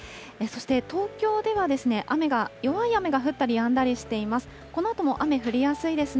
そして東京では雨が、弱い雨が降ったりやんだりしています。